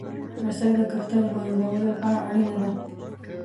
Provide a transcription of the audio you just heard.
رسۍ د کښتۍ د بندولو لپاره اړینه ده.